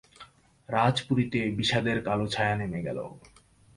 রাজপুরীতে বিষাদের কালো ছায়া নেমে গেল।